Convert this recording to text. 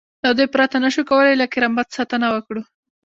له دوی پرته نشو کولای له کرامت ساتنه وکړو.